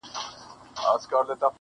o چي ښه وي، بد دي اور واخلي٫